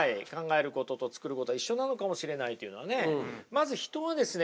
まず人はですね